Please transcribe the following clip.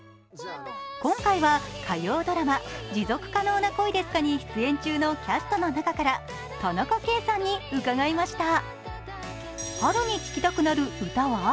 今回は火曜ドラマ「持続可能な恋ですか？」に出演中のキャストの中から田中圭さんに伺いました。